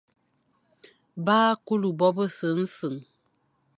Ba kule bo bese nseñ,